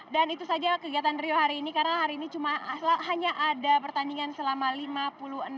dan itu saja kegiatan rio hari ini karena hari ini hanya ada pertandingan selama lima puluh enam lap